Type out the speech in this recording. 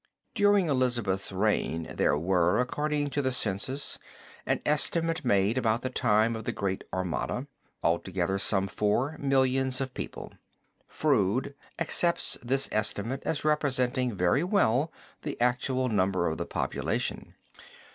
During Elizabeth's reign there were, according to the census, an estimate made about the time of the great Armada, altogether some four millions of people. Froude, accepts this estimate as representing very well the actual number of the population.